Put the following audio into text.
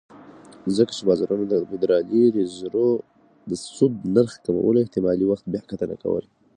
ځکه چې بازارونه د فدرالي ریزرو د سود نرخ کمولو احتمالي وخت بیاکتنه کوله.